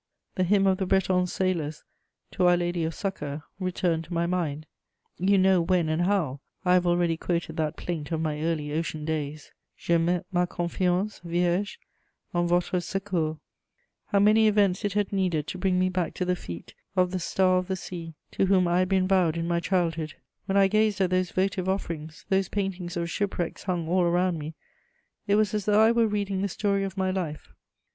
The hymn of the Breton sailors to Our Lady of Succour returned to my mind; you know when and how I have already quoted that plaint of my early ocean days: Je mets ma confiance, Vierge, en votre secours. How many events it had needed to bring me back to the feet of the "Star of the Sea," to whom I had been vowed in my childhood! When I gazed at those votive offerings, those paintings of ship wrecks hung all around me, it was as though I were reading the story of my life.